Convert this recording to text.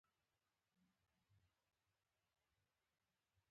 زرګري په افغانستان کې پخوانی کسب دی